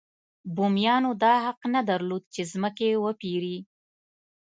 بومیانو دا حق نه درلود چې ځمکې وپېري.